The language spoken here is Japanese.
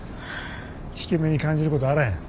引け目に感じることあらへん。